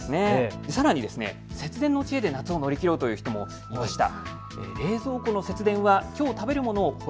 さらに節電の知恵で夏を乗り切ろうという声もありました。